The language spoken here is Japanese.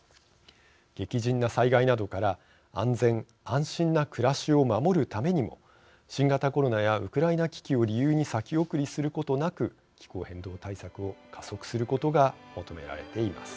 激甚な災害などから安全・安心な暮らしを守るためにも、新型コロナやウクライナ危機を理由に先送りすることなく気候変動対策を加速することが求められています。